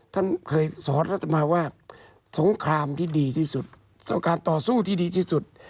ท่านเคยสอนรัฐมาว่าสงครามที่ดีที่สุดสงการต่อสู้ที่ดีที่สุด